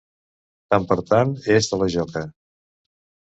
Tant per tant és de la joca.